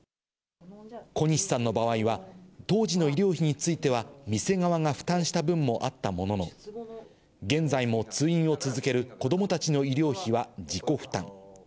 小西さんの場合は、当時の医療費については店側が負担した分もあったものの、現在も通院を続ける子どもたちの医療費は自己負担。